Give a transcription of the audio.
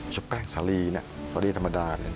แสลีสาลีธรรมดา